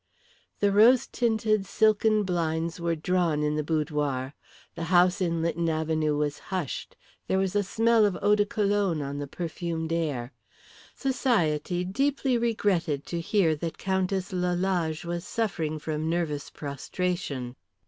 The rose tinted silken blinds were drawn in the boudoir, the house in Lytton Avenue was hushed, there was a smell of eau de cologne on the perfumed air. Society deeply regretted to hear that Countess Lalage was suffering from nervous prostration.